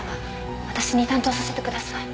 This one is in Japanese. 私に担当させてください。